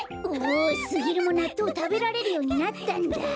おおすぎるもなっとうたべられるようになったんだ。